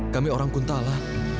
kami orang kuntala